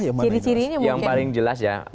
yang mana yang paling jelas ya